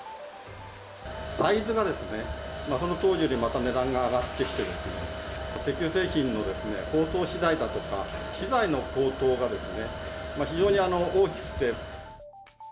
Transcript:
大豆がですね、その当時よりまた値段が上がってきてですね、石油製品の包装資材だとか、資材の高騰が非常に大きくて。